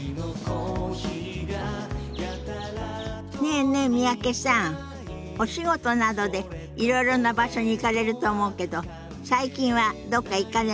ねえねえ三宅さんお仕事などでいろいろな場所に行かれると思うけど最近はどっか行かれました？